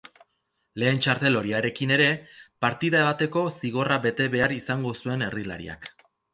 Lehen txartel horiarekin ere partida bateko zigorra bete behar izango zuen erdilariak.